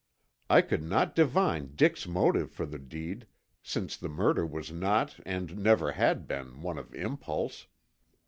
I could not divine Dick's motive for the deed, since the murder was not and never had been, one of impulse.